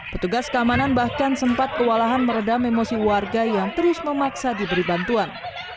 petugas keamanan bahkan sempat kewalahan meredam emosi warga yang terus memaksa diberi bantuan